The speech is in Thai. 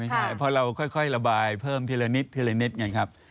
ไม่ใช่พอเราค่อยระบายเพิ่มทีละนิดอย่างนั้นครับ